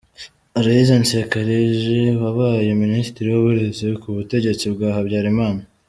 Aloys Nsekarije wabaye Minisitiri w’ uburezi ku butegetsi bwa Habyarimana.